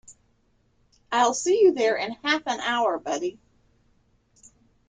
I'll see you there in half an hour buddy.